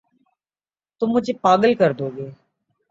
تم مجھے پاگل کر دو گے